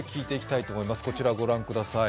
こちらご覧ください。